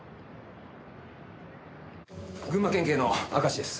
群馬県警の明石です。